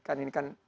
kan ini kan ada